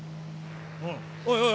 おいおい！